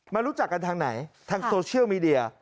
รู้จักกันทางไหนทางโซเชียลมีเดีย